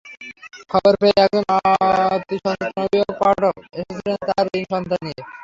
খবর পেয়ে একজন অতিসচেতন অভিভাবক পাঠক এসেছিলেন তাঁর তিন সন্তান নিয়ে।